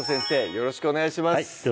よろしくお願いします